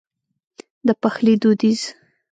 د پخلي دوديز